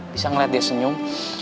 bisa ngeliat dia senyum